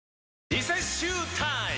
リセッシュータイム！